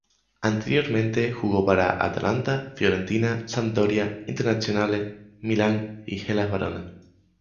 Anteriormente jugó para Atalanta, Fiorentina, Sampdoria, Internazionale, Milan y Hellas Verona.